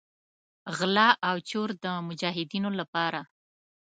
غلا او چور د مجاهدینو لپاره.